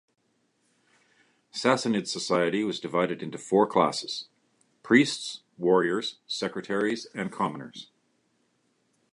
Sassanid society was divided into four classes: priests, warriors, secretaries, and commoners.